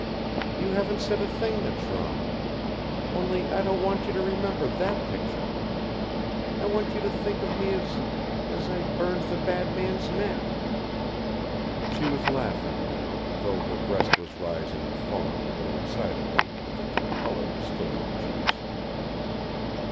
"You haven't said a thing that's wrong. Only I don't want you to remember THAT picture. I want you to think of me as as I burned the bad man's neck." She was laughing now, though her breast was rising and falling a little excitedly and the deep color was still in her cheeks.